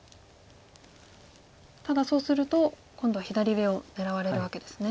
ただそうすると今度は左上を狙われるわけですね。